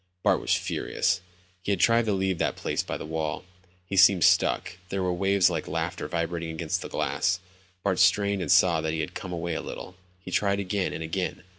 Bart was furious. He tried to leave the place by the wall. He seemed stuck. There were waves like laughter vibrating against the glass. Bart strained and saw that he had come away a little. He tried again and again.